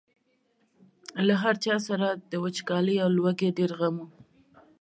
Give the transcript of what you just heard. له هر چا سره د وچکالۍ او لوږې ډېر غم و.